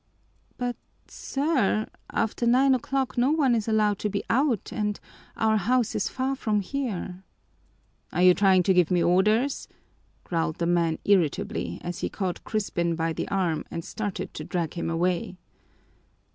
"But, sir, after nine o'clock no one is allowed to be out and our house is far from here." "Are you trying to give me orders?" growled the man irritably, as he caught Crispin by the arm and started to drag him away.